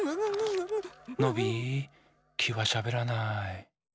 ノビーきはしゃべらない。